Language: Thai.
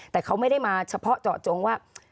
แต่เขาไม่ได้มาเฉพาะเจาะจงว่า